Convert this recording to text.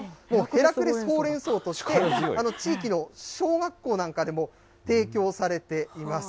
ヘラクレスほうれんそうとして、地域の小学校なんかでも提供されています。